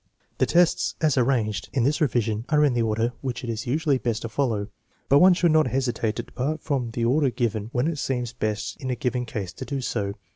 The tests as arranged in this revision are in the order which it is usually best to follow, but one should not hesi tate to depart from the order given when it seems best in a given case to do so.